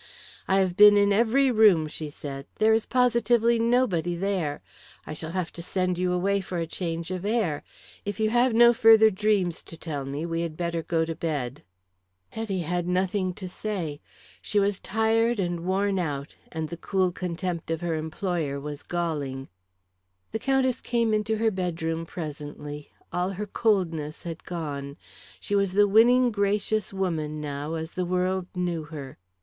"I have been in every room," she said. "There is positively nobody there. I shall have to send you away for a change of air. If you have no further dreams to tell me we had better go to bed." Hetty had nothing to say. She was tired and worn out, and the cool contempt of her employer was galling. The Countess came into her bedroom presently; all her coldness had gone. She was the winning, gracious woman now as the world knew her.